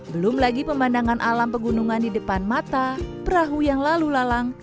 belum lagi pemandangan alam pegunungan di depan mata perahu yang lalu lalang